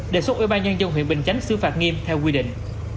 đề xuất ủy ban nhân dân huyện bình chánh xử phạt nghiêm theo quy định